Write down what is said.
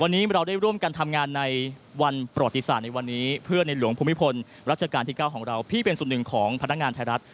วันนี้เราได้ร่วมการทำงานในวันประวัติศาสตร์เพื่อในหลวงพุมภิพลรัชกาลที่๙๑๑ของพี่เปลี่ยน๑ของพนักงานไทยรัฐ